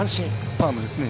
パームですね。